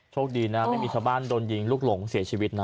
โชคดีนะไม่มีชาวบ้านโดนยิงลูกหลงเสียชีวิตนะ